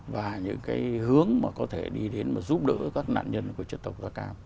và những cái hướng mà có thể đi đến mà giúp đỡ các nạn nhân của chất độc da cam